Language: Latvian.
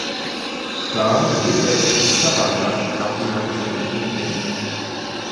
Cāļu diēta ir savādāka kā pieaugušiem putniem.